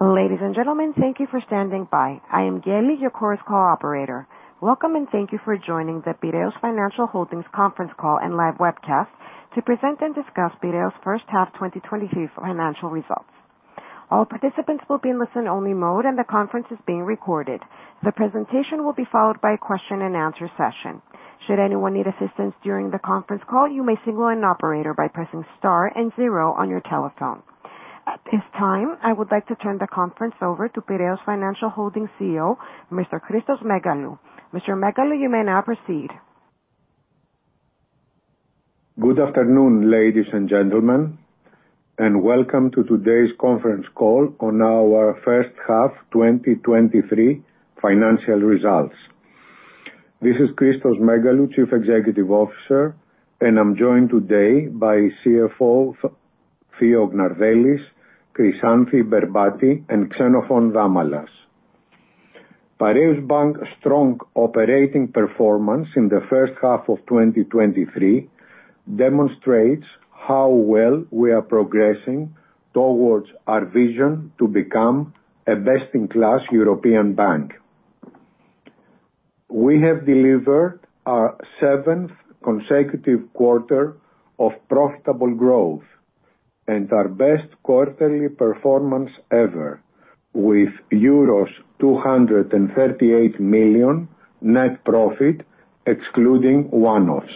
Ladies and gentlemen, thank you for standing by. I am Geli, your Chorus Call operator. Welcome, and thank you for joining the Piraeus Financial Holdings Conference Call and Live Webcast to present and discuss Piraeus first half 2023 financial results. All participants will be in listen-only mode, and the conference is being recorded. The presentation will be followed by a question and answer session. Should anyone need assistance during the conference call, you may signal an operator by pressing star and zero on your telephone. At this time, I would like to turn the conference over to Piraeus Financial Holdings CEO, Mr. Christos Megalou. Mr. Megalou, you may now proceed. Good afternoon, ladies and gentlemen, and welcome to today's conference call on our First Half 2023 financial results. This is Christos Megalou, Chief Executive Officer, and I'm joined today by CFO Theo Gnardellis, Chryssanthi Berbati, and Xenofon Damalas. Piraeus Bank strong operating performance in the first half of 2023 demonstrates how well we are progressing towards our vision to become a best-in-class European bank. We have delivered our seventh consecutive quarter of profitable growth and our best quarterly performance ever, with euros 238 million net profit, excluding one-offs.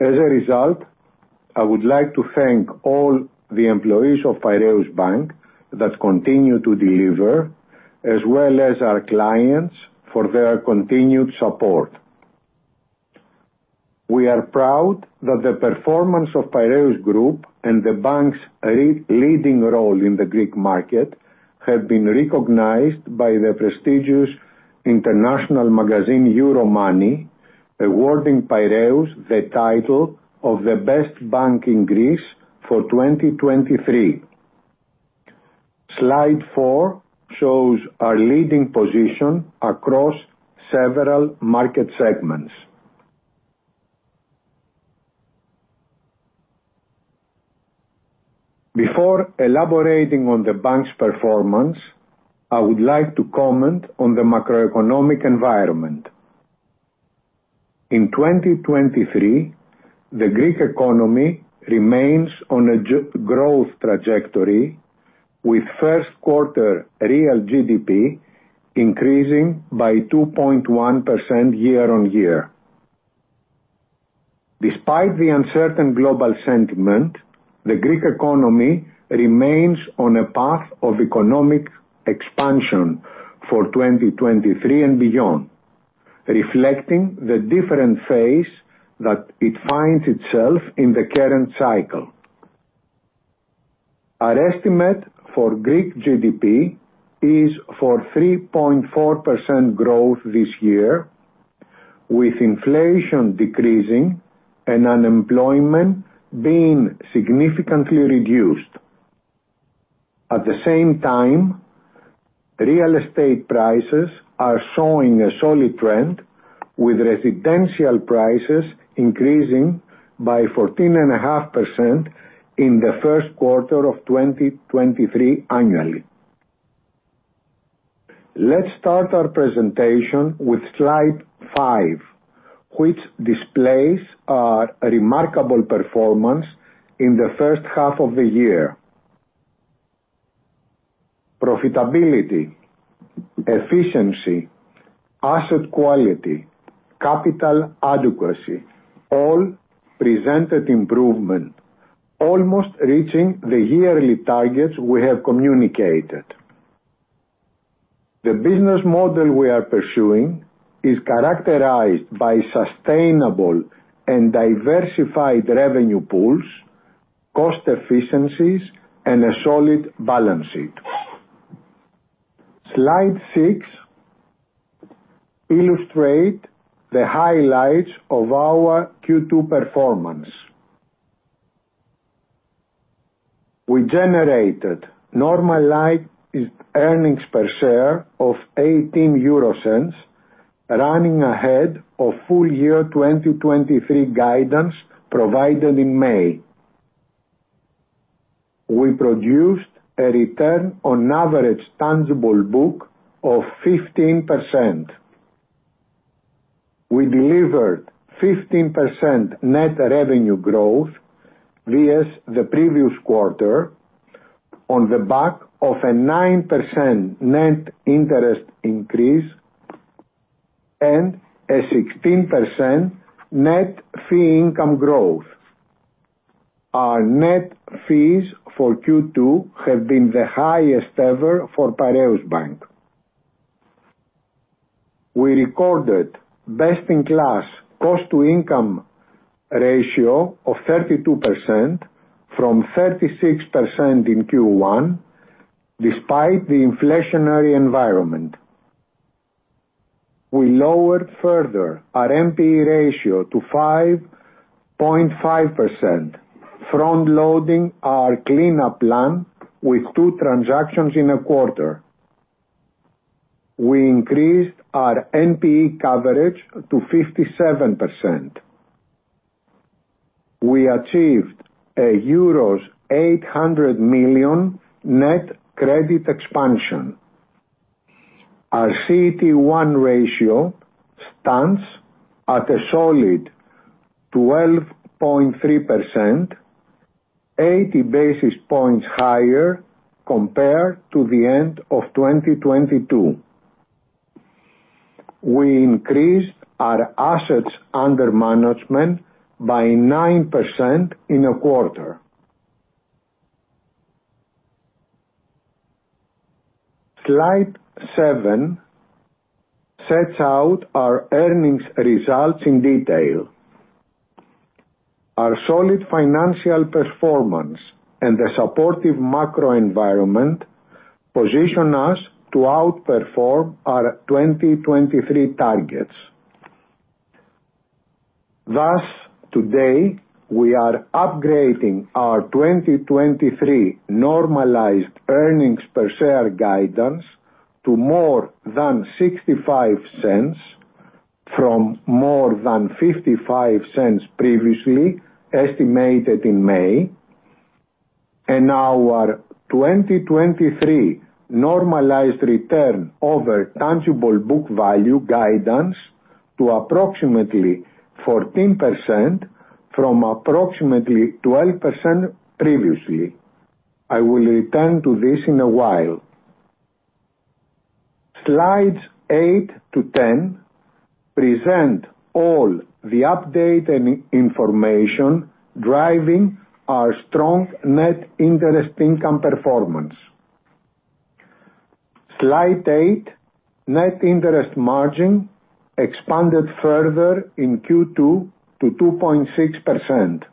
As a result, I would like to thank all the employees of Piraeus Bank that continue to deliver, as well as our clients for their continued support. We are proud that the performance of Piraeus Group and the bank's leading role in the Greek market have been recognized by the prestigious international magazine Euromoney, awarding Piraeus the title of the Best Bank in Greece for 2023. Slide four shows our leading position across several market segments. Before elaborating on the bank's performance, I would like to comment on the macroeconomic environment. In 2023, the Greek economy remains on a growth trajectory, with first quarter real GDP increasing by 2.1% year-on-year. Despite the uncertain global sentiment, the Greek economy remains on a path of economic expansion for 2023 and beyond, reflecting the different phase that it finds itself in the current cycle. Our estimate for Greek GDP is for 3.4% growth this year, with inflation decreasing and unemployment being significantly reduced. At the same time, real estate prices are showing a solid trend, with residential prices increasing by 14.5% in the first quarter of 2023 annually. Let's start our presentation with slide five, which displays our remarkable performance in the first half of the year. Profitability, efficiency, asset quality, capital adequacy, all presented improvement, almost reaching the yearly targets we have communicated. The business model we are pursuing is characterized by sustainable and diversified revenue pools, cost efficiencies, and a solid balance sheet. Slide six illustrate the highlights of our Q2 performance. We generated normalized earnings per share of 0.18, running ahead of full year 2023 guidance provided in May. We produced a return on average tangible book of 15%. We delivered 15% net revenue growth versus the previous quarter on the back of a 9% net interest increase and a 16% net fee income growth. Our net fees for Q2 have been the highest ever for Piraeus Bank. We recorded best-in-class cost-to-income ratio of 32% from 36% in Q1, despite the inflationary environment. We lowered further our NPE ratio to 5.5%, front loading our cleanup plan with two transactions in a quarter. We increased our NPE coverage to 57%. We achieved a euros 800 million net credit expansion. Our CET1 ratio stands at a solid 12.3%, 80 basis points higher compared to the end of 2022. We increased our assets under management by 9% in a quarter. Slide seven sets out our earnings results in detail. Our solid financial performance and the supportive macro environment position us to outperform our 2023 targets. Thus, today, we are upgrading our 2023 normalized earnings per share guidance to more than 0.65, from more than 0.55 previously, estimated in May, and our 2023 normalized return over tangible book value guidance to approximately 14% from approximately 12% previously. I will return to this in a while. Slides eight to 10 present all the update and information driving our strong net interest income performance. Slide eight, net interest margin expanded further in Q2 to 2.6%.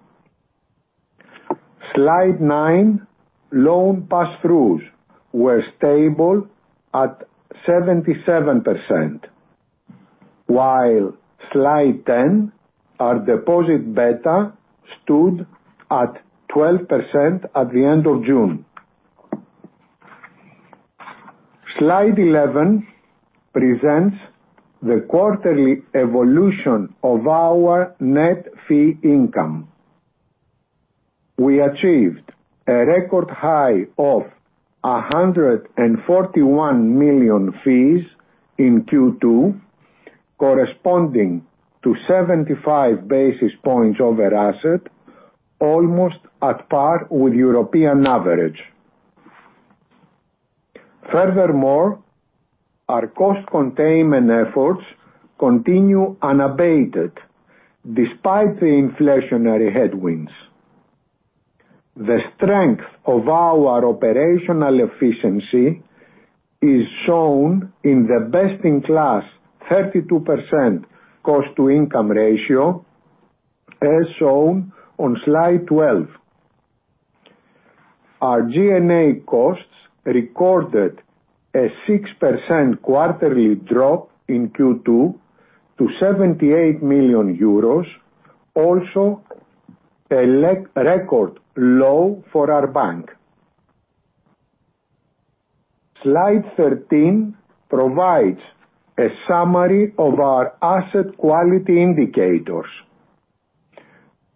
Slide nine, loan pass-throughs were stable at 77%, while slide 10, our deposit beta stood at 12% at the end of June. Slide 11 presents the quarterly evolution of our net fee income. We achieved a record high of 141 million fees in Q2, corresponding to 75 basis points over asset, almost at par with European average. Our cost containment efforts continue unabated despite the inflationary headwinds. The strength of our operational efficiency is shown in the best-in-class 32% cost-to-income ratio, as shown on Slide 12. Our G&A costs recorded a 6% quarterly drop in Q2 to 78 million euros, also a record low for our bank. Slide 13 provides a summary of our asset quality indicators.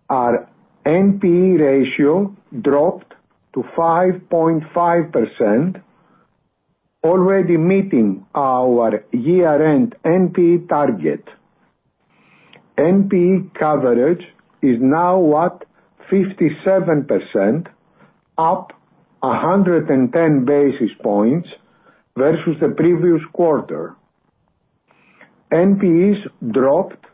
Our NPE ratio dropped to 5.5%, already meeting our year-end NPE target. NPE coverage is now at 57%, up 110 basis points versus the previous quarter. NPEs dropped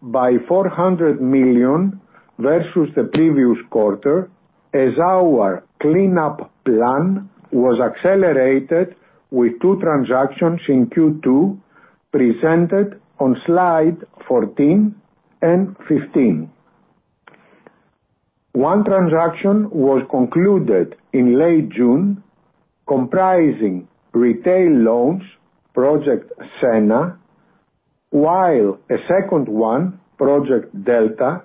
by 400 million versus the previous quarter, as our cleanup plan was accelerated with two transactions in Q2, presented on slide 14 and 15. One transaction was concluded in late June, comprising retail loans, Project Senna, while a second one, Project Delta,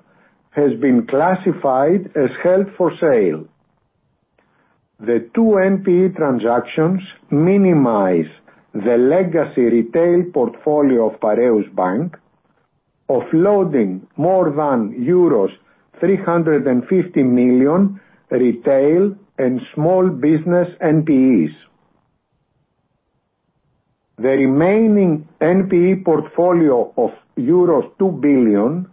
has been classified as held for sale. The two NPE transactions minimize the legacy Retail portfolio of Piraeus Bank, offloading more than euros 350 million retail and small business NPEs. The remaining NPE portfolio of euros 2 billion,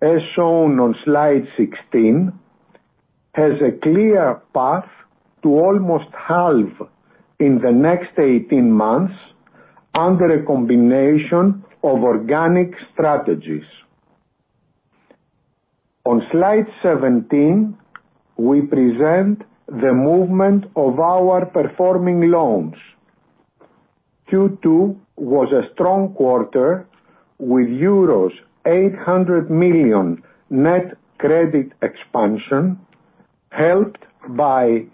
as shown on slide 16, has a clear path to almost halve in the next 18 months under a combination of organic strategies. On slide 17, we present the movement of our performing loans. Q2 was a strong quarter, with euros 800 million net credit expansion, helped by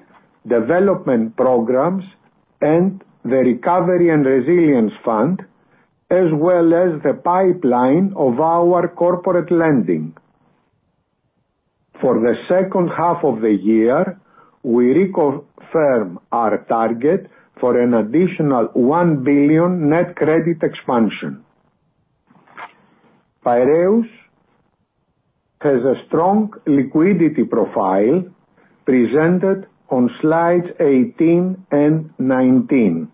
development programs and the Recovery and Resilience Facility, as well as the pipeline of our Corporate lending. For the second half of the year. We reconfirm our target for an additional 1 billion net credit expansion. Piraeus has a strong liquidity profile presented on slides 18 and 19.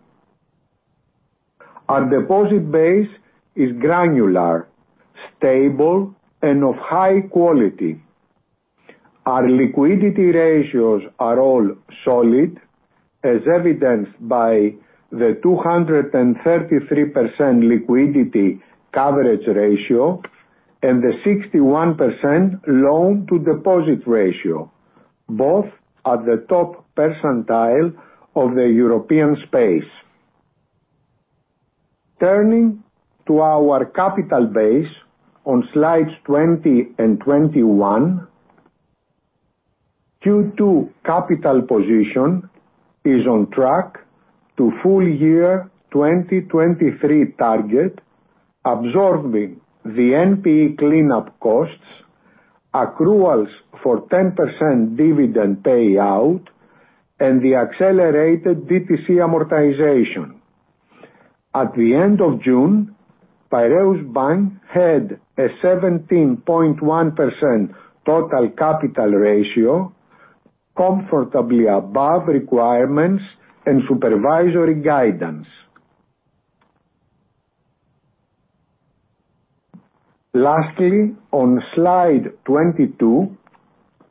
Our deposit base is granular, stable, and of high quality. Our liquidity ratios are all solid, as evidenced by the 233% liquidity coverage ratio and the 61% loan to deposit ratio, both at the top percentile of the European space. Turning to our capital base on slides 20 and 21, Q2 capital position is on track to full year 2023 target, absorbing the NPE cleanup costs, accruals for 10% dividend payout, and the accelerated DTC amortization. At the end of June, Piraeus Bank had a 17.1% total capital ratio, comfortably above requirements and supervisory guidance. Lastly, on slide 22,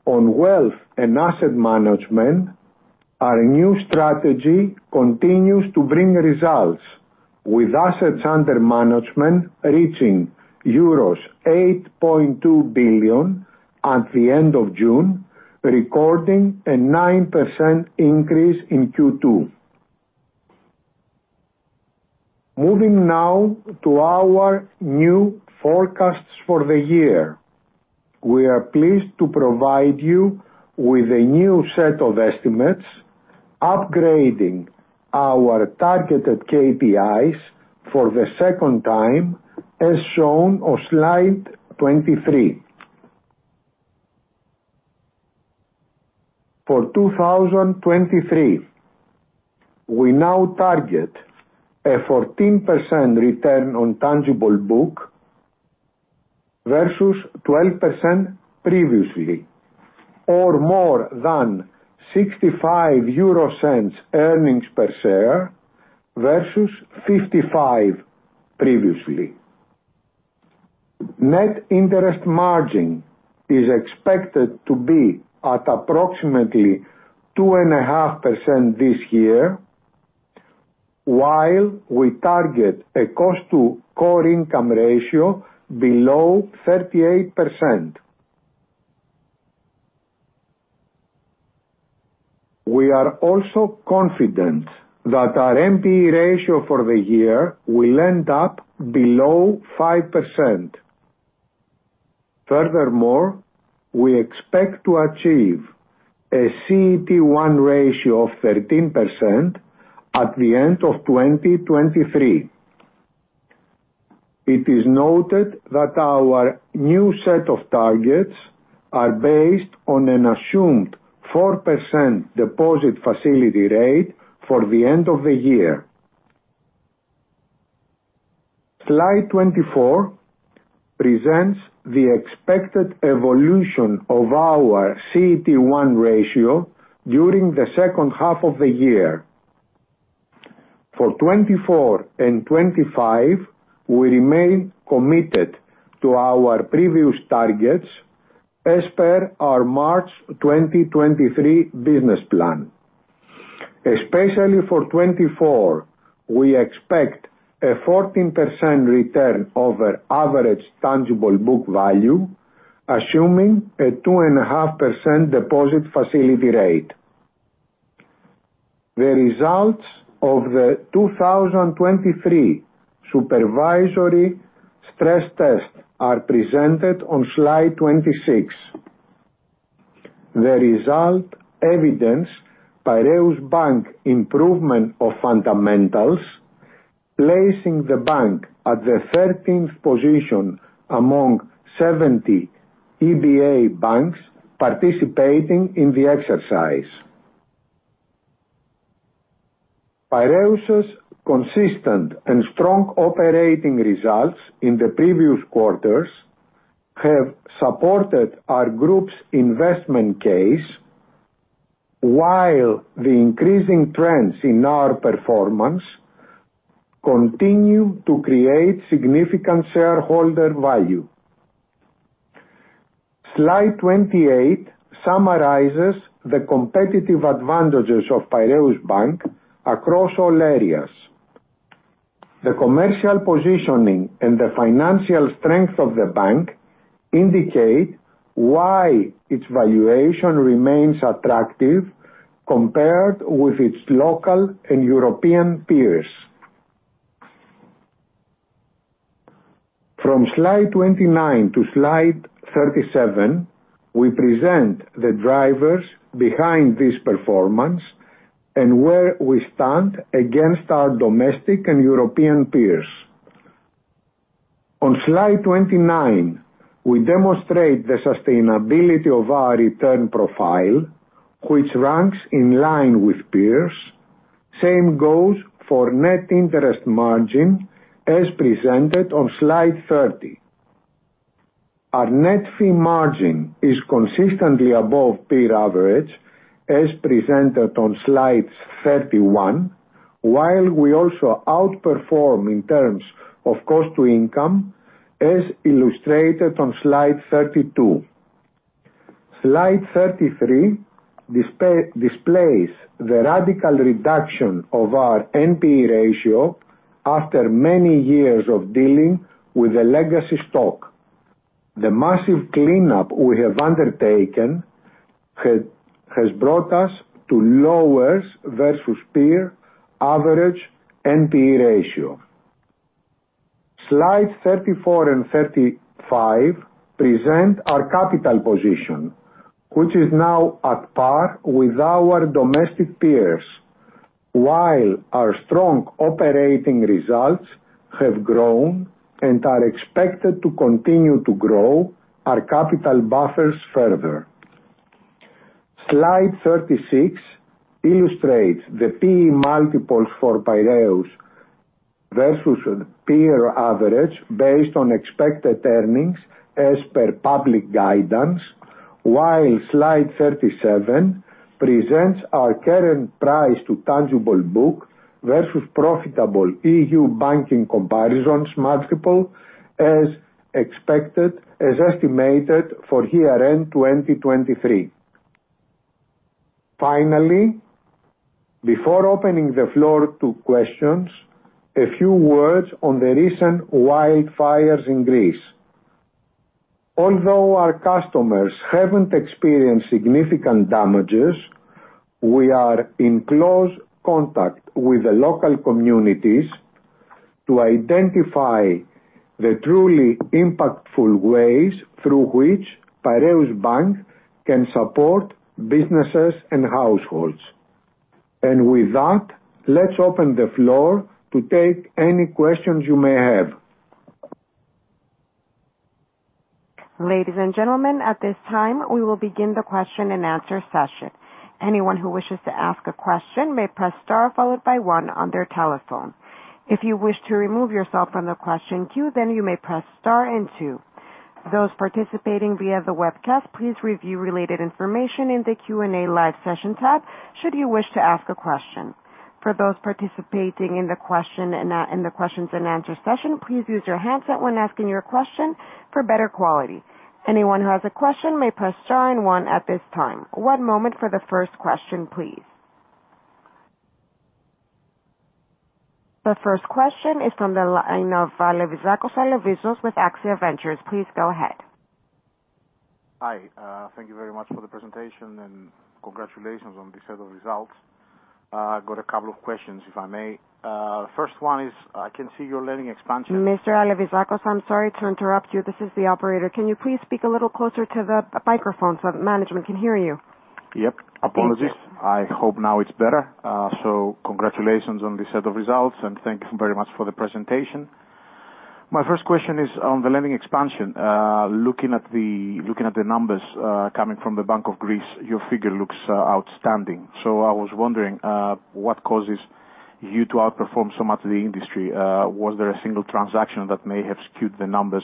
on wealth and asset management, our new strategy continues to bring results, with assets under management reaching euros 8.2 billion at the end of June, recording a 9% increase in Q2. Moving now to our new forecasts for the year. We are pleased to provide you with a new set of estimates, upgrading our targeted KPIs for the second time, as shown on slide 23. For 2023, we now target a 14% return on tangible book versus 12% previously, or more than 0.65 earnings per share versus 0.55 previously. Net interest margin is expected to be at approximately 2.5% this year, while we target a cost to core income ratio below 38%. We are also confident that our NPE ratio for the year will end up below 5%. Furthermore, we expect to achieve a CET1 ratio of 13% at the end of 2023. It is noted that our new set of targets are based on an assumed 4% deposit facility rate for the end of the year. Slide 24 presents the expected evolution of our CET1 ratio during the second half of the year. For 2024 and 2025, we remain committed to our previous targets as per our March 2023 business plan. Especially for 2024, we expect a 14% return over average tangible book value, assuming a 2.5% deposit facility rate. The results of the 2023 supervisory stress test are presented on slide 26. The result evidence Piraeus Bank improvement of fundamentals, placing the bank at the 13th position among 70 EBA banks participating in the exercise. Piraeus' consistent and strong operating results in the previous quarters have supported our group's investment case, while the increasing trends in our performance continue to create significant shareholder value. Slide 28 summarizes the competitive advantages of Piraeus Bank across all areas. The commercial positioning and the financial strength of the bank indicate why its valuation remains attractive compared with its local and European peers. From slide 29 to slide 37, we present the drivers behind this performance and where we stand against our domestic and European peers. On slide 29, we demonstrate the sustainability of our return profile, which ranks in line with peers. Same goes for net interest margin, as presented on slide 30. Our net fee margin is consistently above peer average, as presented on slides 31, while we also outperform in terms of cost to income, as illustrated on slide 32. Slide 33 displays the radical reduction of our NPE ratio after many years of dealing with the legacy stock. The massive cleanup we have undertaken has brought us to lowers versus peer average NPE ratio. Slide 34 and 35 present our capital position, which is now at par with our domestic peers, while our strong operating results have grown and are expected to continue to grow our capital buffers further. Slide 36 illustrates the P/E multiples for Piraeus versus peer average, based on expected earnings as per public guidance, while slide 37 presents our current price to tangible book versus profitable EU banking comparisons multiple as expected, as estimated for year end 2023. Finally, before opening the floor to questions, a few words on the recent wildfires in Greece. Although our customers haven't experienced significant damages, we are in close contact with the local communities to identify the truly impactful ways through which Piraeus Bank can support businesses and households. With that, let's open the floor to take any questions you may have. Ladies and gentlemen, at this time, we will begin the question and answer session. Anyone who wishes to ask a question may press star followed by one on their telephone. If you wish to remove yourself from the question queue, then you may press star and two. Those participating via the webcast, please review related information in the Q&A live session tab, should you wish to ask a question. For those participating in the questions and answer session, please use your handset when asking your question for better quality. Anyone who has a question may press star and one at this time. One moment for the first question, please. The first question is from the line of Alevizakos Alevizos with Axia Ventures. Please go ahead. Hi, thank you very much for the presentation, congratulations on this set of results. I've got two questions, if I may. First one is I can see your lending expansion- Mr. Alevizakos, I'm sorry to interrupt you. This is the operator. Can you please speak a little closer to the microphone so that management can hear you? Yep, apologies. Thank you. I hope now it's better. Congratulations on this set of results, and thank you very much for the presentation. My first question is on the lending expansion. Looking at the, looking at the numbers, coming from the Bank of Greece, your figure looks outstanding. I was wondering, what causes you to outperform so much the industry? Was there a single transaction that may have skewed the numbers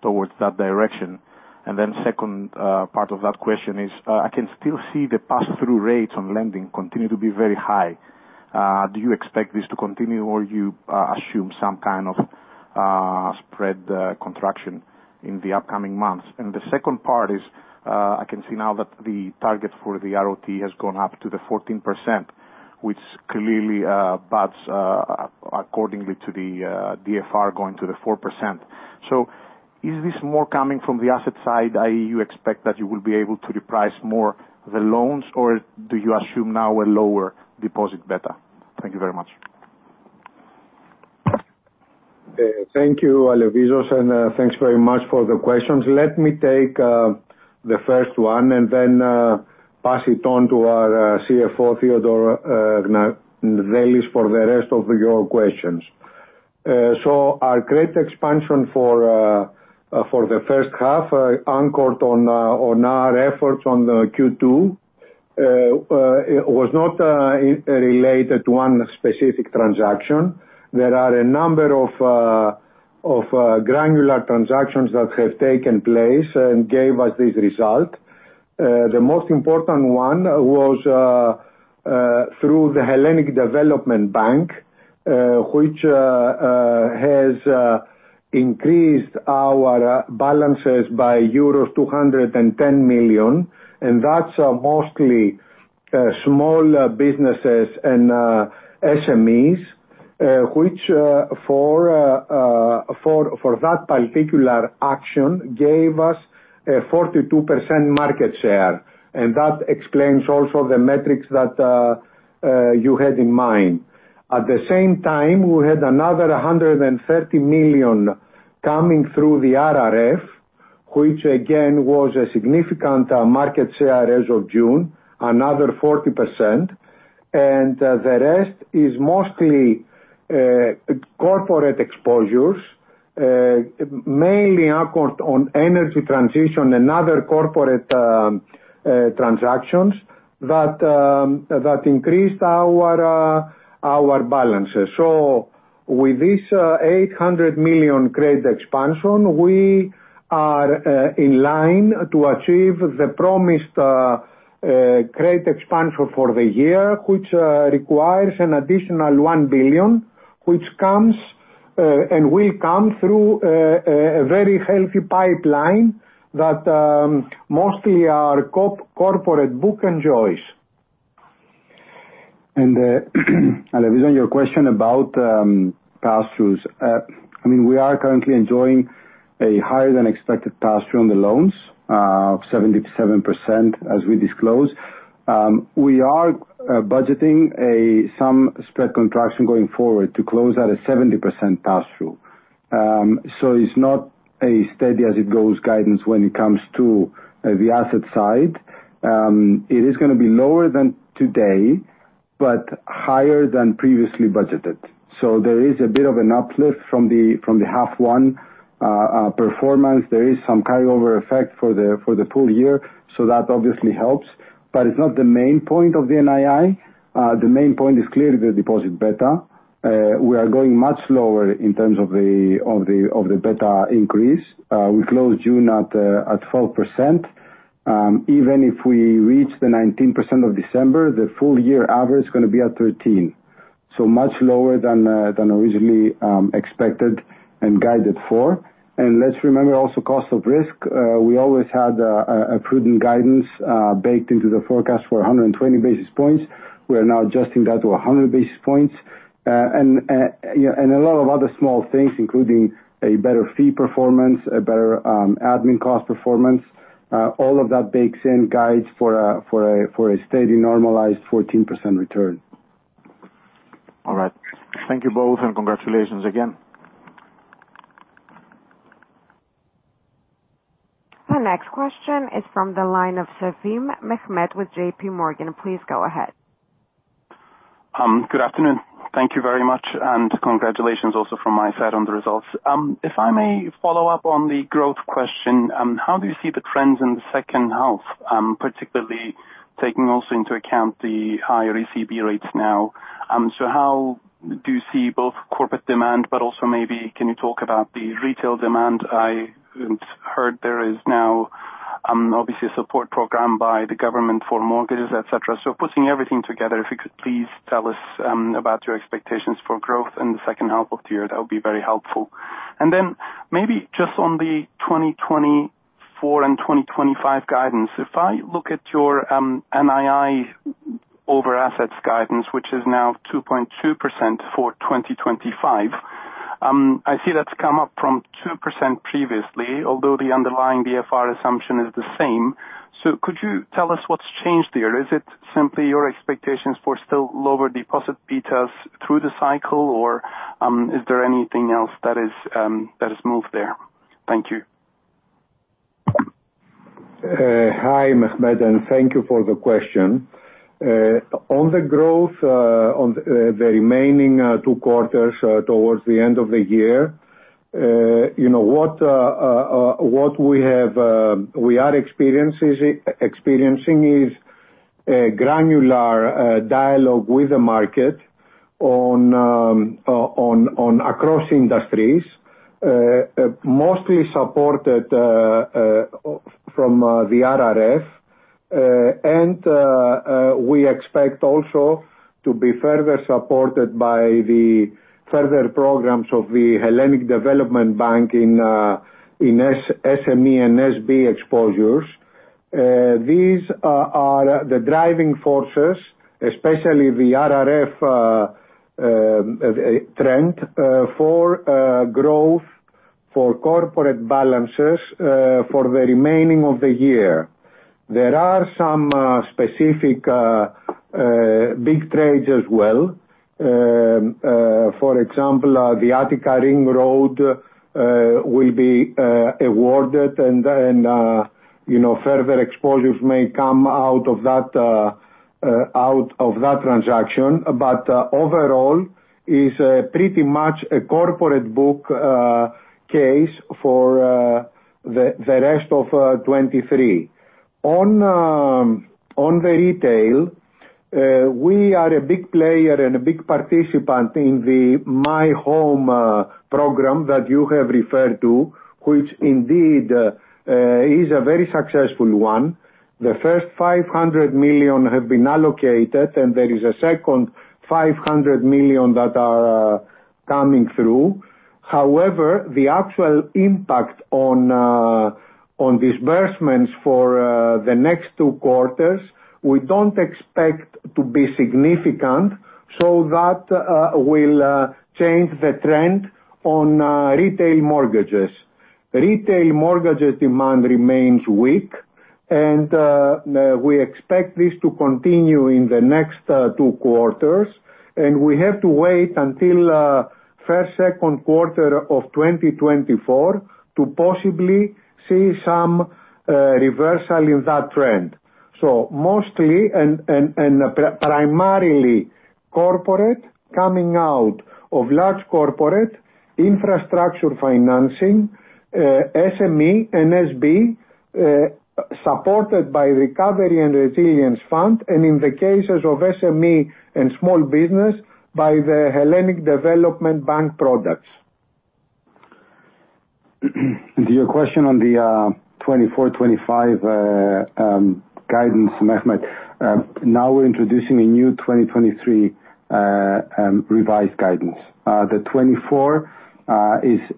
towards that direction? Then second, part of that question is, I can still see the pass-through rates on lending continue to be very high. Do you expect this to continue, or you, assume some kind of, spread, contraction in the upcoming months? The second part is, I can see now that the target for the ROTE has gone up to the 14%, which clearly buds accordingly to the DFR going to the 4%. Is this more coming from the asset side, i.e., you expect that you will be able to reprice more the loans, or do you assume now a lower deposit beta? Thank you very much. Thank you, Alevizos, and thanks very much for the questions. Let me take the first one and then pass it on to our CFO, Theodore Gnardellis, for the rest of your questions. Our credit expansion for the first half, anchored on our efforts on the Q2, it was not related to one specific transaction. There are a number of granular transactions that have taken place and gave us this result. The most important one was through the Hellenic Development Bank, which has increased our balances by euros 210 million, and that's mostly small businesses and SMEs, which for that particular action, gave us a 42% market share. That explains also the metrics that you had in mind. At the same time, we had another 130 million coming through the RRF-... which again, was a significant market share as of June, another 40%. The rest is mostly corporate exposures, mainly accord on energy transition and other corporate transactions, that increased our balances. With this 800 million credit expansion, we are in line to achieve the promised credit expansion for the year, which requires an additional 1 billion, which comes and will come through a very healthy pipeline that mostly our corporate book enjoys. On your question about pass-throughs, I mean, we are currently enjoying a higher than expected pass-through on the loans, 77%, as we disclose. We are budgeting a, some spread contraction going forward to close at a 70% pass-through. It's not a steady as it goes guidance when it comes to the asset side. It is gonna be lower than today, but higher than previously budgeted. There is a bit of an uplift from the from the half 1 performance. There is some carryover effect for the for the full year, so that obviously helps. It's not the main point of the NII. The main point is clearly the deposit beta. We are going much lower in terms of the of the of the beta increase. We closed June at 12%. Even if we reach the 19% of December, the full year average is going to be at 13%, so much lower than originally expected and guided for. Let's remember also cost of risk, we always had a prudent guidance baked into the forecast for 120 basis points. We are now adjusting that to 100 basis points. And yeah, a lot of other small things, including a better fee performance, a better admin cost performance. All of that bakes in guides for a steady, normalized 14% return. All right. Thank you both, and congratulations again. The next question is from the line of Sevim Mehmet with JPMorgan. Please go ahead. Good afternoon. Thank you very much, and congratulations also from my side on the results. If I may follow up on the growth question, how do you see the trends in the second half, particularly taking also into account the higher ECB rates now? How do you see both Corporate demand, but also maybe can you talk about the Retail demand? I heard there is now, obviously a support program by the government for mortgages, et cetera. Putting everything together, if you could please tell us about your expectations for growth in the second half of the year, that would be very helpful. Maybe just on the 2024 and 2025 guidance, if I look at your NII over assets guidance, which is now 2.2% for 2025, I see that's come up from 2% previously, although the underlying BFR assumption is the same. Could you tell us what's changed there? Is it simply your expectations for still lower deposit betas through the cycle, or is there anything else that is that has moved there? Thank you. Hi, Mehmet, and thank you for the question. On the growth on the remaining two quarters towards the end of the year, you know, what we are experiencing is a granular dialogue with the market on across industries, mostly supported from the RRF. And we expect also to be further supported by the further programs of the Hellenic Development Bank in SME and SB exposures. These are the driving forces, especially the RRF trend, for growth, for corporate balances, for the remaining of the year. There are some specific big trades as well. For example, the Attica Ring Road will be awarded, and then further exposures may come out of that transaction. Overall is pretty much a corporate book case for the rest of 2023. On the retail, we are a big player and a big participant in the My Home program that you have referred to, which indeed is a very successful one. The first 500 million have been allocated, and there is a second 500 million that are coming through. The actual impact on disbursements for the next two quarters, we don't expect to be significant, so that will change the trend on retail mortgages. Retail mortgages demand remains weak. We expect this to continue in the next two quarters, and we have to wait until first, second quarter of 2024 to possibly see some reversal in that trend. Mostly, primarily corporate, coming out of large corporate, infrastructure financing, SME and SB, supported by Recovery and Resilience Facility, and in the cases of SME and small business, by the Hellenic Development Bank products. To your question on the 2024, 2025 guidance, Mehmet, now we're introducing a new 2023 revised guidance. The 2024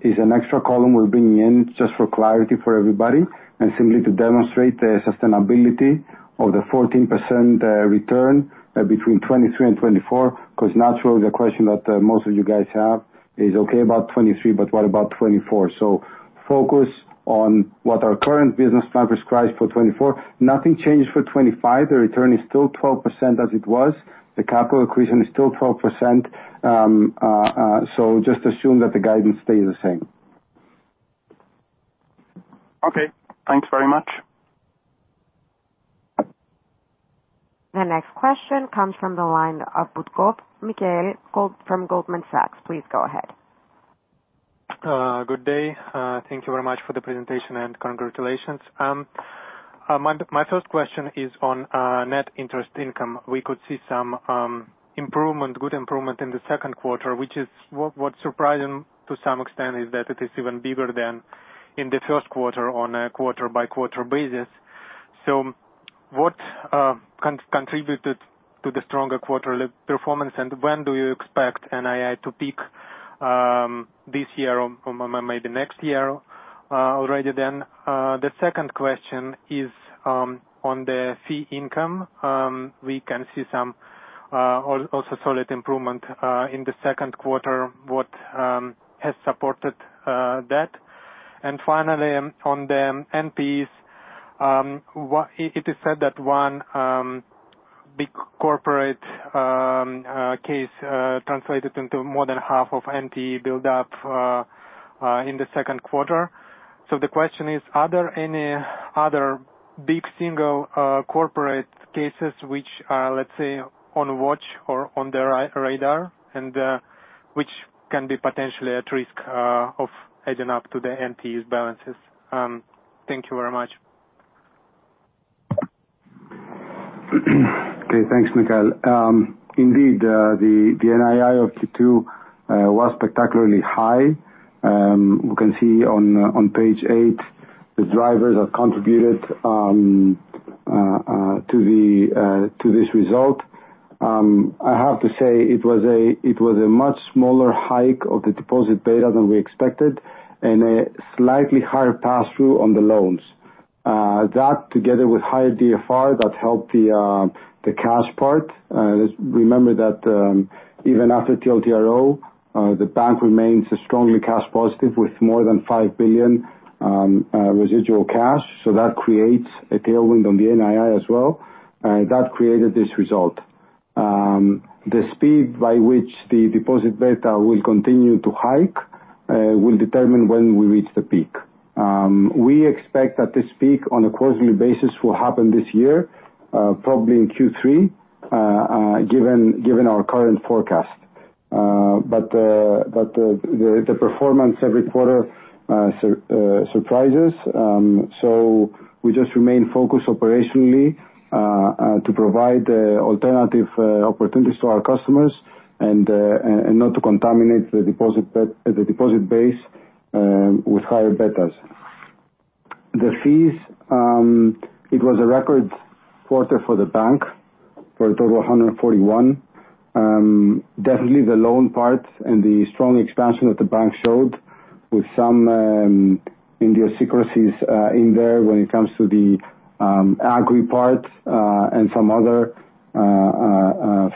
is an extra column we're bringing in just for clarity for everybody, and simply to demonstrate the sustainability of the 14% return between 2023 and 2024. 'Cause naturally, the question that most of you guys have is, "Okay, about 2023, but what about 2024?" Focus on what our current business plan prescribes for 2024. Nothing changes for 2025. The return is still 12% as it was. The capital increase is still 12%. Just assume that the guidance stays the same. Okay, thanks very much. The next question comes from the line of Butkov Mikhail, from Goldman Sachs. Please go ahead. Good day. Thank you very much for the presentation, and congratulations. My, my first question is on net interest income. We could see some improvement, good improvement in the second quarter, which is, what, what's surprising to some extent, is that it is even bigger than in the first quarter, on a quarter-by-quarter basis. What con- contributed to the stronger quarterly performance, and when do you expect NII to peak, this year or, or maybe next year, already then? The second question is on the fee income. We can see some al- also solid improvement in the second quarter. What has supported that? Finally, on the NPEs, what... It is said that one big corporate case translated into more than half of NPE buildup in the second quarter. The question is, are there any other big single corporate cases which are, let's say, on watch or on the radar, and which can be potentially at risk of adding up to the NPE's balances? Thank you very much. Okay, thanks, Mikhail. Indeed, the NII of Q2 was spectacularly high. We can see on page eight, the drivers that contributed to this result. I have to say it was a much smaller hike of the deposit beta than we expected, and a slightly higher pass-through on the loans. That, together with higher DFR, that helped the cash part. Just remember that even after TLTRO, the bank remains strongly cash positive, with more than 5 billion residual cash. That creates a tailwind on the NII as well, and that created this result. The speed by which the deposit beta will continue to hike, will determine when we reach the peak. We expect that this peak, on a quarterly basis, will happen this year, probably in Q3, given our current forecast. The performance every quarter surprises. We just remain focused operationally to provide alternative opportunities to our customers, and not to contaminate the deposit base with higher betas. The fees, it was a record quarter for the bank, for a total of 141. Definitely the loan part and the strong expansion that the bank showed, with some idiosyncrasies in there when it comes to the agri part, and some other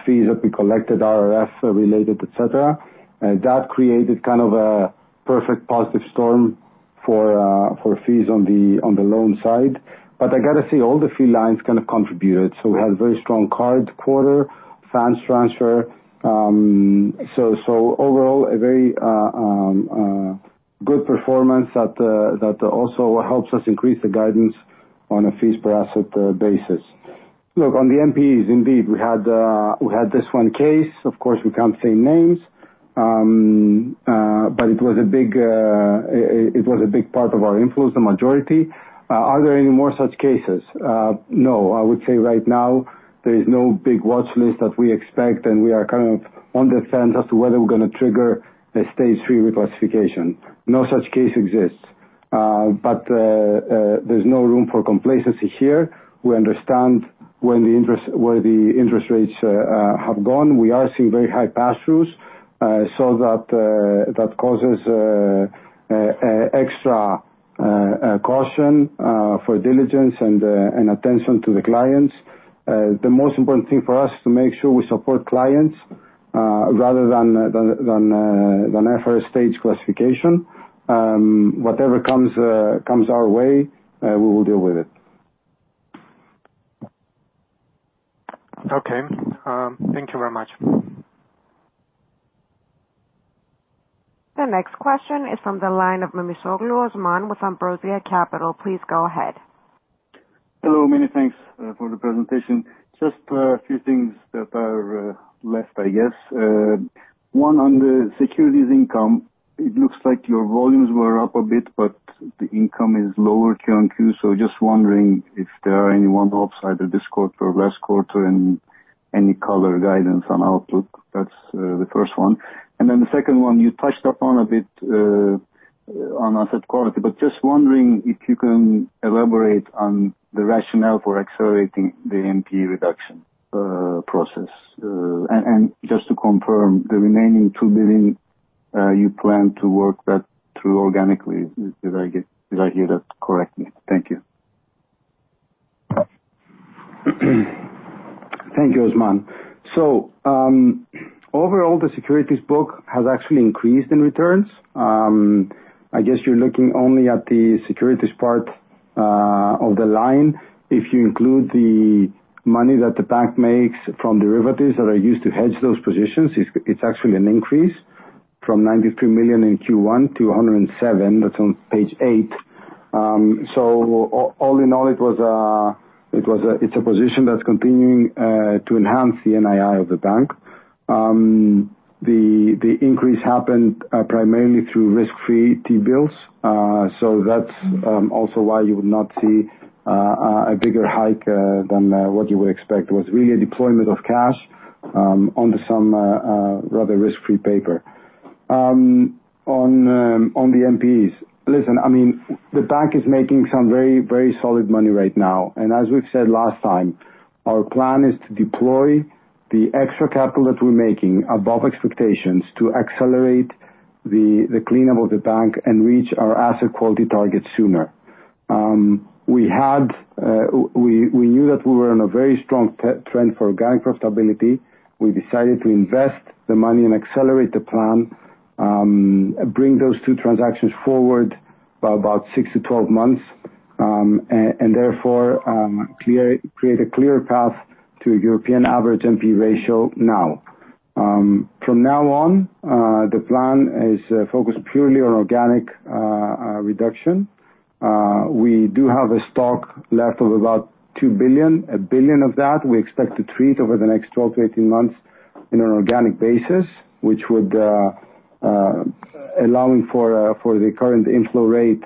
fees that we collected, RRF related, et cetera. That created kind of a perfect positive storm for fees on the loan side. But I gotta say, all the fee lines kind of contributed, so we had a very strong card quarter, funds transfer. So overall, a very good performance that also helps us increase the guidance on a fees per asset basis. Look, on the NPEs, indeed, we had this one case. Of course, we can't say names. But it was a big, it was a big part of our influence, the majority. Are there any more such cases? No. I would say right now there is no big watch list that we expect, and we are kind of on the fence as to whether we're gonna trigger a stage reclassification. No such case exists, but there's no room for complacency here. We understand when the interest, where the interest rates have gone. We are seeing very high pass-throughs, so that causes extra caution for diligence and attention to the clients. The most important thing for us is to make sure we support clients-... rather than than than FR Stage classification, whatever comes our way, we will deal with it. Okay. Thank you very much. The next question is from the line of Memisoglu Osman with Ambrosia Capital. Please go ahead. Hello, many thanks for the presentation. Just a few things that are left, I guess. One, on the securities income, it looks like your volumes were up a bit, but the income is lower QMQ. Just wondering if there are any one-offs either this quarter or last quarter, and any color guidance on outlook? That's the first one. Then the second one, you touched upon a bit on asset quality, but just wondering if you can elaborate on the rationale for accelerating the NPE reduction process. Just to confirm, the remaining 2 billion you plan to work that through organically, did I hear that correctly? Thank you. Thank you, Osman. Overall, the securities book has actually increased in returns. I guess you're looking only at the securities part of the line. If you include the money that the bank makes from derivatives that are used to hedge those positions, it's, it's actually an increase from 93 million in Q1 to 107 million. That's on page eight. All in all, it was a, it's a position that's continuing to enhance the NII of the bank. The, the increase happened primarily through risk-free T-bills. That's also why you would not see a bigger hike than what you would expect. Was really a deployment of cash onto some rather risk-free paper. On the NPEs. Listen, I mean, the bank is making some very, very solid money right now, and as we've said last time, our plan is to deploy the extra capital that we're making above expectations to accelerate the cleanup of the bank and reach our asset quality target sooner. We knew that we were in a very strong trend for organic profitability. We decided to invest the money and accelerate the plan, bring those two transactions forward by about six to 12 months, and therefore, create a clear path to European average NPE ratio now. From now on, the plan is focused purely on organic reduction. left of about 2 billion. 1 billion of that we expect to treat over the next 12-18 months on an organic basis, which would, allowing for the current inflow rate,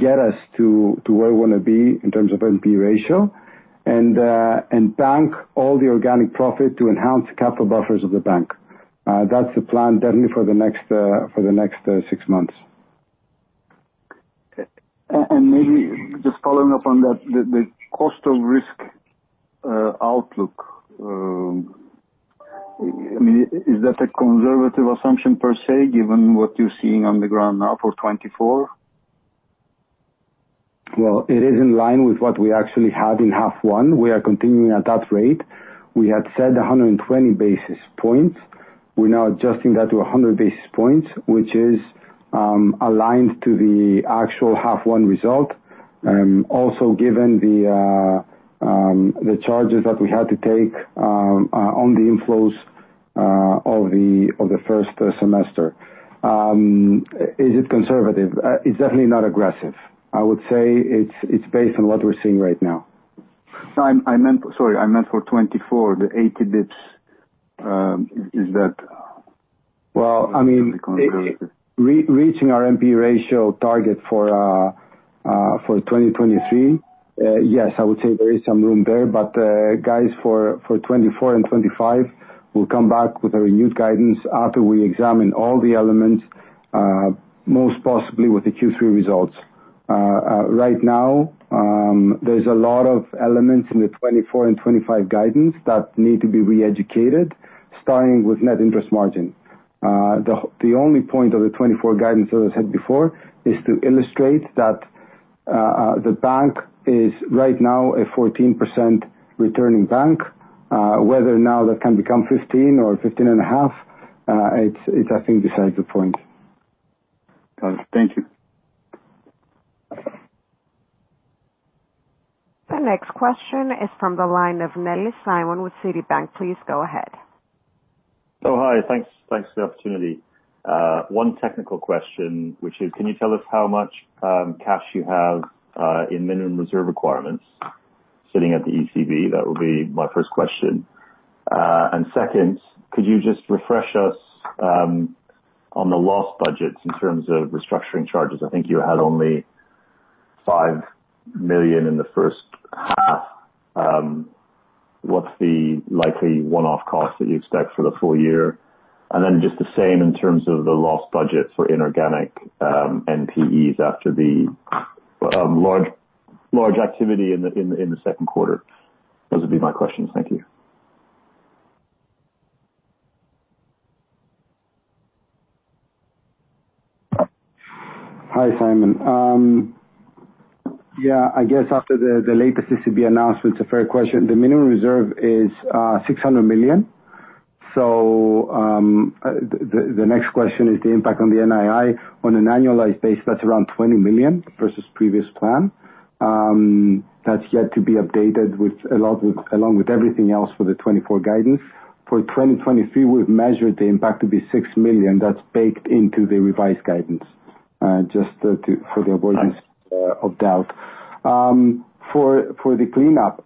get us to where we want to be in terms of NPE ratio, and bank all the organic profit to enhance capital buffers of the bank. That's the plan definitely for the next 6 months Maybe just following up on that, the, the cost of risk, outlook, I mean, is that a conservative assumption per se, given what you're seeing on the ground now for 2024? Well, it is in line with what we actually had in half one. We are continuing at that rate. We had said 120 basis points. We're now adjusting that to 100 basis points, which is aligned to the actual half-one result. Also, given the charges that we had to take on the inflows of the first semester. Is it conservative? It's definitely not aggressive. I would say it's, it's based on what we're seeing right now. Sorry, I meant for 2024, the 80 basis points, is that? Well, I mean- conservative?... re- reaching our NPE ratio target for 2023, yes, I would say there is some room there. Guys, for 2024 and 2025, we'll come back with a renewed guidance after we examine all the elements, most possibly with the Q3 results. Right now, there's a lot of elements in the 2024 and 2025 guidance that need to be re-educated, starting with net interest margin. The only point of the 2024 guidance, as I said before, is to illustrate that the bank is right now a 14% returning bank. Whether or not that can become 15% or 15.5%, it's, it's I think, besides the point. Got it. Thank you. The next question is from the line of Nellis Simon with Citibank. Please go ahead. Oh, hi. Thanks, thanks for the opportunity. One technical question, which is, can you tell us how much cash you have in minimum reserve requirements sitting at the ECB? That would be my first question. Second, could you just refresh us on the loss budgets in terms of restructuring charges? I think you had only 5 million in the first half. What's the likely one-off cost that you expect for the full year? Then just the same in terms of the loss budget for inorganic NPEs after the large, large activity in the second quarter. Those would be my questions. Thank you.... Hi, Simon. Yeah, I guess after the, the latest ECB announcement, it's a fair question. The minimum reserve is 600 million. The, the, the next question is the impact on the NII. On an annualized basis, that's around 20 million versus previous plan. That's yet to be updated with along, along with everything else for the 2024 guidance. For 2023, we've measured the impact to be 6 million, that's baked into the revised guidance, just to, for the avoidance- Thanks. Of doubt. For, for the cleanup,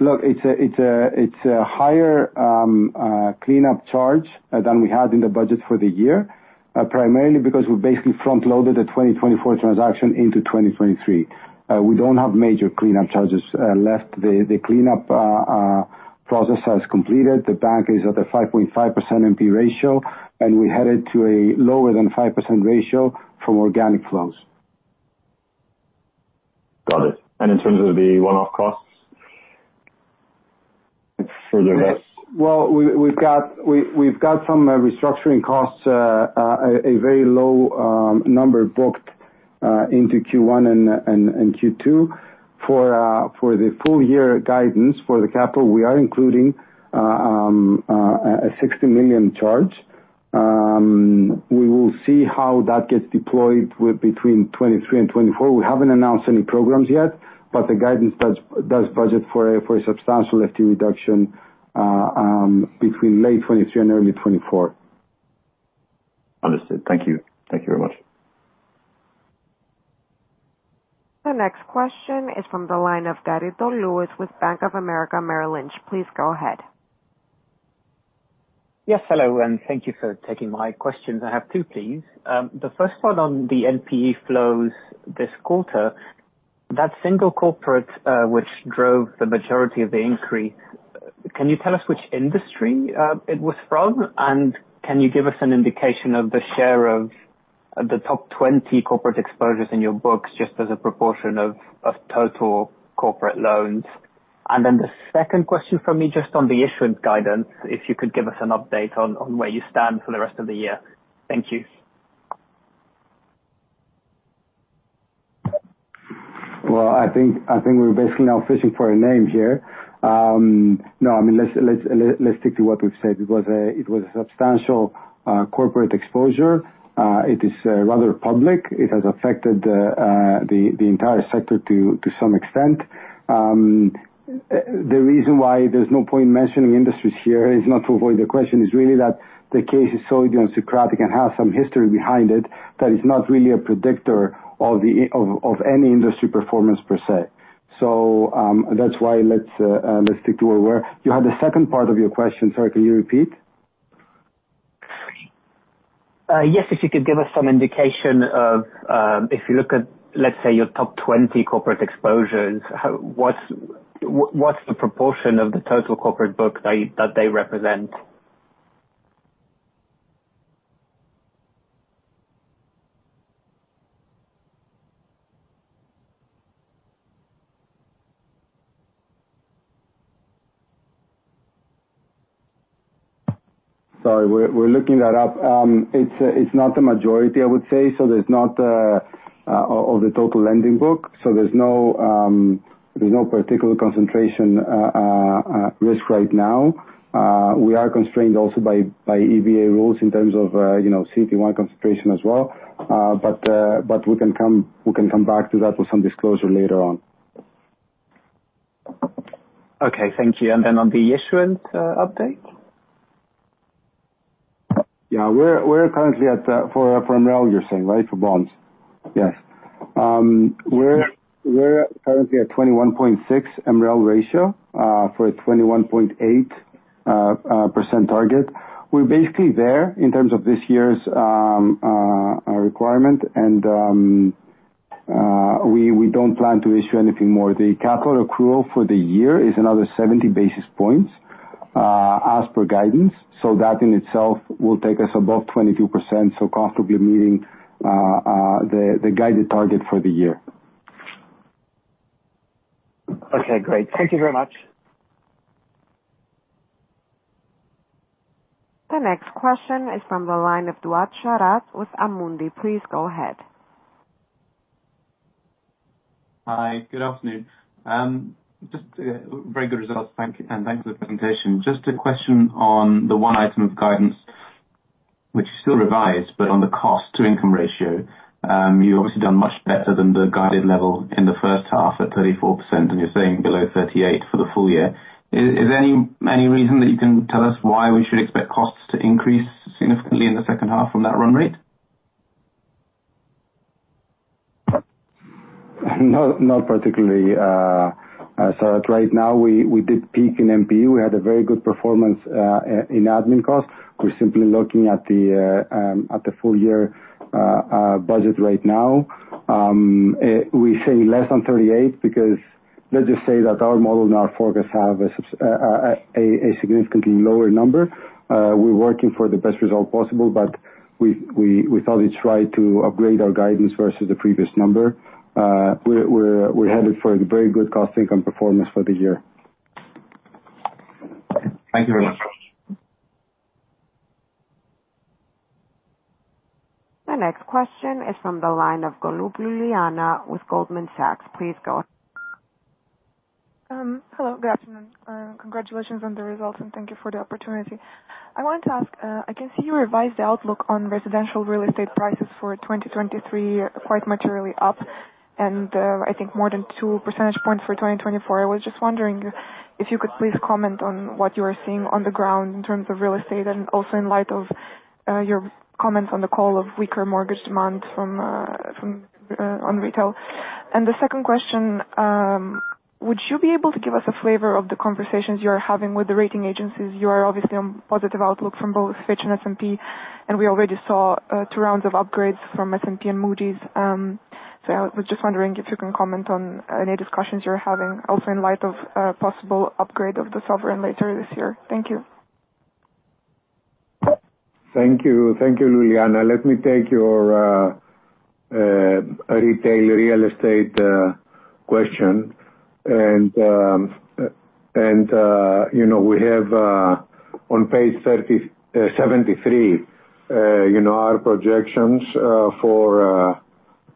look, it's a, it's a, it's a higher cleanup charge than we had in the budget for the year, primarily because we basically front-loaded the 2024 transaction into 2023. We don't have major cleanup charges left. The cleanup process has completed. The bank is at a 5.5% NPE ratio, and we're headed to a lower than 5% ratio from organic flows. Got it. In terms of the one-off costs, further less? Well, we've got, we, we've got some restructuring costs, a very low number booked into Q1 and, and, and Q2. For, for the full year guidance for the capital, we are including a 60 million charge. We will see how that gets deployed with between 2023 and 2024. We haven't announced any programs yet, but the guidance does, does budget for a, for a substantial FTE reduction between late 2023 and early 2024. Understood. Thank you. Thank you very much. The next question is from the line of Garrido Luis with Bank of America, Merrill Lynch. Please go ahead. Yes, hello, and thank you for taking my questions. I have two, please. The first one on the NPE flows this quarter, that single corporate, which drove the majority of the increase, can you tell us which industry it was from? Can you give us an indication of the share of the top 20 corporate exposures in your books, just as a proportion of, of total corporate loans? The second question from me, just on the issuance guidance, if you could give us an update on, on where you stand for the rest of the year. Thank you. Well, I think, I think we're basically now fishing for a name here. No, I mean, let's, let's, let's stick to what we've said. It was a, it was a substantial corporate exposure. It is rather public. It has affected the, the entire sector to, to some extent. The reason why there's no point mentioning industries here, is not to avoid the question, it's really that the case is so idiosyncratic and has some history behind it, that it's not really a predictor of the, of, of any industry performance per se. That's why let's, let's stick to where... You had the second part of your question. Sorry, can you repeat? Yes, if you could give us some indication of, if you look at, let's say, your top 20 corporate exposures, how, what's, what, what's the proportion of the total corporate book they, that they represent? Sorry, we're, we're looking that up. It's, it's not the majority, I would say. There's not of the total lending book, so there's no particular concentration risk right now. We are constrained also by EBA rules in terms of, you know, Pillar 1 concentration as well. We can come, we can come back to that with some disclosure later on. Okay, thank you. Then on the issuance, update? Yeah. We're, we're currently at, for, for MREL, you're saying, right? For bonds. Yes. Yes. We're currently at 21.6 MREL ratio, for a 21.8% target. We're basically there in terms of this year's requirement. We don't plan to issue anything more. The capital accrual for the year is another 70 basis points, as per guidance. That in itself will take us above 22%, so comfortably meeting the guided target for the year. Okay, great. Thank you very much. The next question is from the line of Dua Sharat with Amundi. Please go ahead. Hi, good afternoon. Just very good results. Thank you, and thanks for the presentation. Just a question on the one item of guidance, which is still revised, but on the cost-to-income ratio. You've obviously done much better than the guided level in the first half, at 34%, and you're saying below 38% for the full year. Is there any reason that you can tell us why we should expect costs to increase significantly in the second half from that run rate? No, not particularly. Right now, we, we did peak in NPU. We had a very good performance in admin costs. We're simply looking at the full year budget right now. We say less than 38 because let's just say that our model and our forecast have a significantly lower number. We're working for the best result possible, but we, we, we thought it's right to upgrade our guidance versus the previous number. We're, we're, we're headed for a very good cost income performance for the year. Thank you very much. The next question is from the line of Golub Iuliana with Goldman Sachs. Please go on. Hello, good afternoon. Congratulations on the results, and thank you for the opportunity. I wanted to ask, I can see you revised the outlook on residential real estate prices for 2023, quite materially up. I think more than 2 percentage points for 2024. I was just wondering if you could please comment on what you are seeing on the ground in terms of real estate, and also in light of your comments on the call of weaker mortgage demand from from on retail? The second question, would you be able to give us a flavor of the conversations you are having with the rating agencies? You are obviously on positive outlook from both Fitch and S&P. We already saw two rounds of upgrades from S&P and Moody's. I was just wondering if you can comment on any discussions you're having, also in light of possible upgrade of the sovereign later this year. Thank you. Thank you. Thank you, Liliana. Let me take your retail real estate question. You know, we have on page 30, 73, you know, our projections for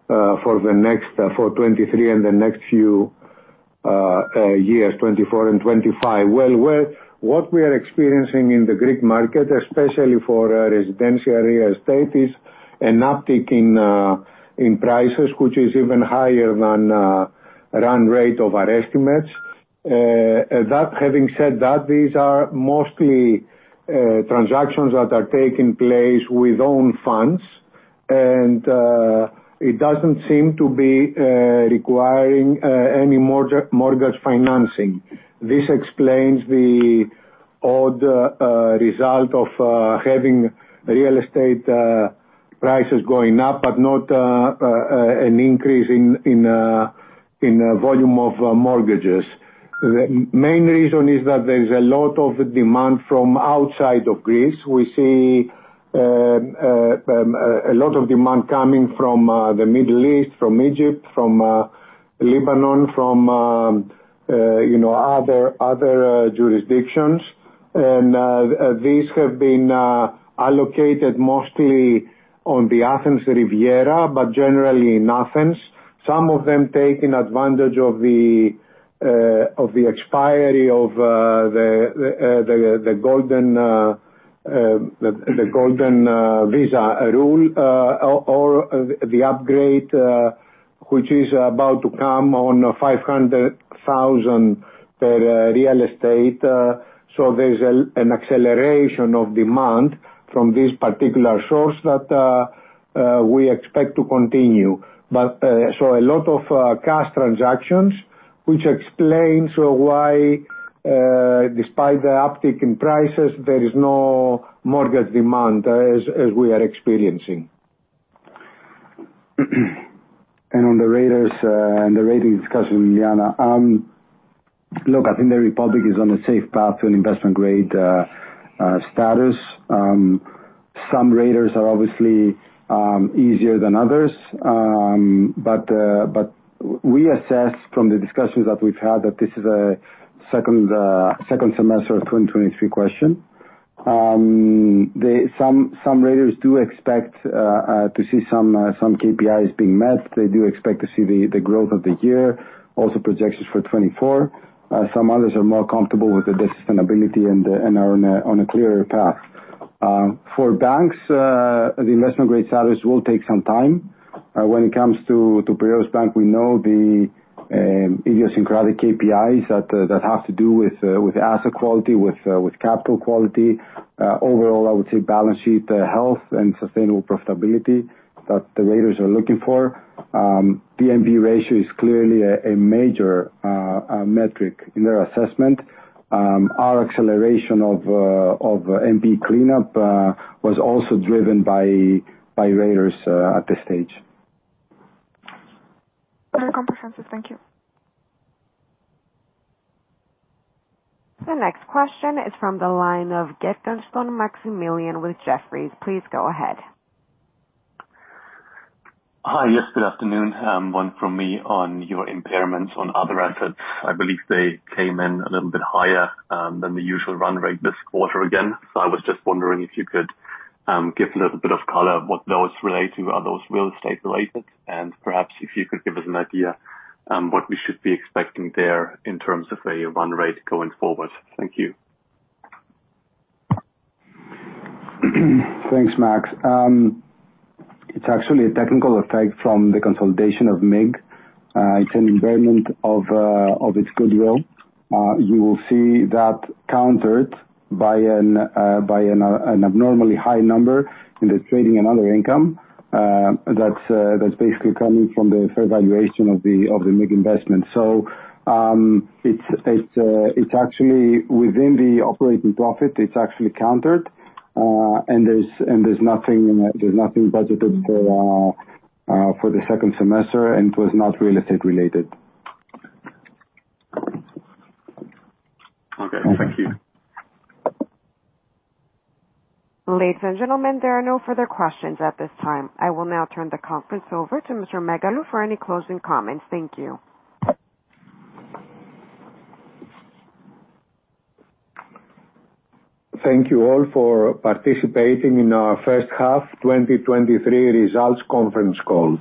for the next for 2023 and the next few years, 2024 and 2025. Well, well, what we are experiencing in the Greek market, especially for residential real estate, is an uptick in prices, which is even higher than run rate of our estimates. That, having said that, these are mostly transactions that are taking place with own funds, and it doesn't seem to be requiring any mortgage financing. This explains the odd result of having real estate prices going up, but not an increase in in volume of mortgages. The main reason is that there's a lot of demand from outside of Greece. We see a lot of demand coming from the Middle East, from Egypt, from Lebanon, from, you know, other, other jurisdictions. And these have been allocated mostly on the Athens Riviera, but generally in Athens. Some of them taking advantage of the, of the expiry of, the, the, the, the golden, the, the golden, visa rule, or, or the upgrade, which is about to come on 500,000 per real estate. So there's an, an acceleration of demand from this particular source that we expect to continue. A lot of cash transactions, which explains why, despite the uptick in prices, there is no mortgage demand, as we are experiencing. On the raters and the rating discussion, Liliana, look, I think the republic is on a safe path to an investment grade status. Some raters are obviously easier than others. We assess from the discussions that we've had, that this is a second semester of 2023 question. Some raters do expect to see some KPIs being met. They do expect to see the growth of the year, also projections for 2024. Some others are more comfortable with the sustainability and are on a clearer path. For banks, the investment grade status will take some time. When it comes to Piraeus Bank, we know the idiosyncratic KPIs that have to do with asset quality, with capital quality. Overall, I would say balance sheet health and sustainable profitability, that the raters are looking for. P/B ratio is clearly a major metric in their assessment. Our acceleration of NPE cleanup was also driven by raters at this stage. Very comprehensive. Thank you. The next question is from the line of Gerstenkorn Maximilian with Jefferies. Please go ahead. Hi. Yes, good afternoon. One from me on your impairments on other assets. I believe they came in a little bit higher than the usual run rate this quarter again. I was just wondering if you could give a little bit of color what those relate to, are those real estate related? Perhaps if you could give us an idea on what we should be expecting there, in terms of a run rate going forward. Thank you. Thanks, Max. It's actually a technical effect from the consolidation of MIG. It's an impairment of its goodwill. You will see that countered by an abnormally high number in the trading and other income, that's basically coming from the fair valuation of the MIG investment. It's, it's actually within the operating profit, it's actually countered, and there's, and there's nothing, there's nothing budgeted for for the second semester, and it was not real estate related. Okay. Thank you. Ladies and gentlemen, there are no further questions at this time. I will now turn the conference over to Mr. Megalou for any closing comments. Thank you. Thank you all for participating in our first half 2023 results conference call.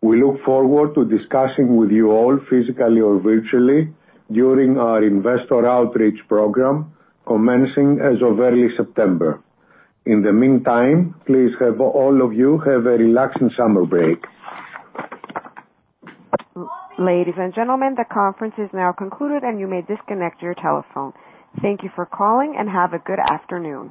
We look forward to discussing with you all, physically or virtually, during our investor outreach program, commencing as of early September. In the meantime, please have all of you have a relaxing summer break. Ladies and gentlemen, the conference is now concluded, and you may disconnect your telephone. Thank you for calling, and have a good afternoon.